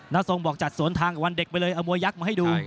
ทรงบอกจัดสวนทางกับวันเด็กไปเลยเอามวยยักษ์มาให้ดู